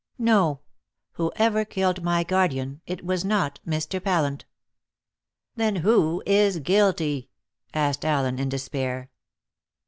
No. Whoever killed my guardian, it was not Mr. Pallant." "Then who is guilty?" asked Allen in despair.